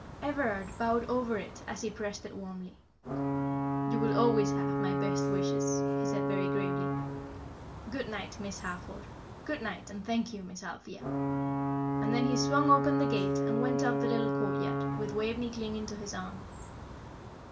Everard bowed over it as he pressed it warmly. "You will always have my best wishes," he said, very gravely. "Good night, Miss Harford, good night, and thank you, Miss Althea." And then he swung open the gate and went up the little courtyard, with Waveney clinging to his arm.